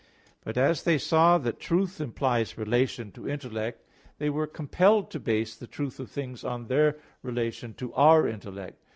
But as they saw that truth implies relation to intellect, they were compelled to base the truth of things on their relation to our intellect.